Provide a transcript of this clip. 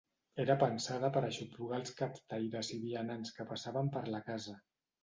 Era pensada per aixoplugar els captaires i vianants que passaven per la casa.